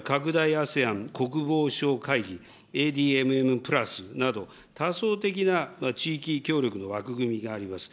ＡＳＥＡＮ国防相会議、ＡＤＭＭプラスなど、多層的な地域協力の枠組みがあります。